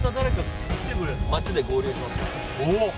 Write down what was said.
街で合流します。